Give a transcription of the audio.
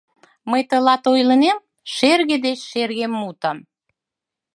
Мый тылат ойлынем Шерге деч шерге мутым.